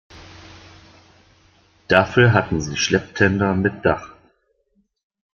Dafür hatten sie Schlepptender mit Dach.